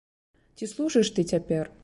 Ці служыш ты цяпер?